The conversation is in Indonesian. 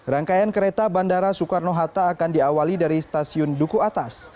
rangkaian kereta bandara soekarno hatta akan diawali dari stasiun duku atas